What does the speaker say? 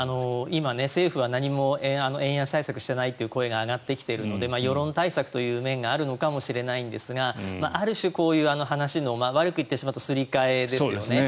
今、政府は何も円安対策をしていないという声が上がってきているので世論対策という面があるのかもしれませんがある種、こういう話の悪く言ってしまうとすり替えですよね。